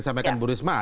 terima kasih cries saya